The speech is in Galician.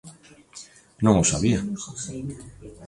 Non o sabía.